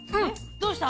どうした？